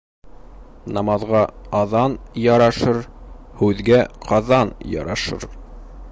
Намаҙға аҙан ярашыр, һүҙгә ҡаҙан ярашыр.